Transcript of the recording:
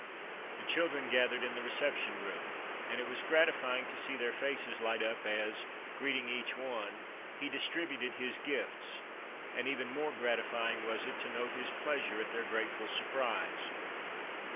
The children gathered in the reception room, and it was gratifying to see their faces light up as, greeting each one, he distributed his gifts, and even more gratifying was it to note his pleasure at their grateful surprise.